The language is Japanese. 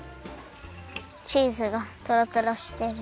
チーズがトロトロしてる！